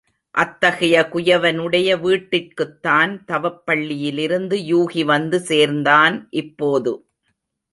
அத்தகைய குயவனுடைய வீட்டிற்குத்தான் தவப் பள்ளியிலிருந்து யூகி வந்து சேர்ந்தான் இப்போது.